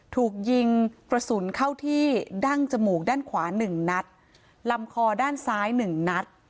ถูกยิงกระสุนเข้าที่ดั้งจมูกด้านขวาหนึ่งนัดลำคอด้านซ้ายหนึ่งนัด